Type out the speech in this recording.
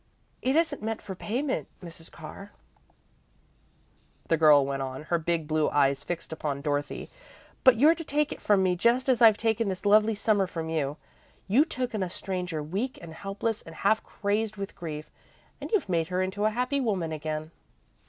"It isn't meant for payment, Mrs. Carr," the girl went on, her big blue eyes fixed upon Dorothy, "but you're to take it from me just as I've taken this lovely Summer from you. You took in a stranger, weak and helpless and half crazed with grief, and you've made her into a happy woman again."